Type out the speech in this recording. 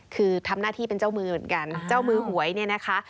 คือทำหน้าที่เป็นเจ้ามือเหมือนกันเจ้ามือหวยเนี่ยนะคะ